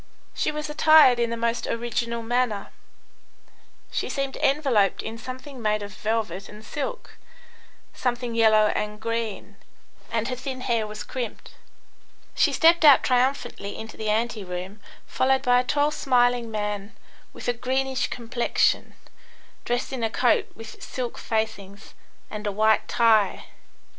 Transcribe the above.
She was attired in the most original manner; she seemed enveloped in something made of velvet and silk, something yellow and green, and her thin hair was crimped. She stepped out triumphantly into the ante room, followed by a tall, smiling man, with a greenish complexion, dressed in a coat with silk facings, and a white tie.